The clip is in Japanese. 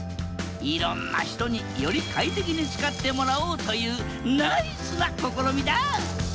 いろんな人により快適に使ってもらおうというナイスな試みだ！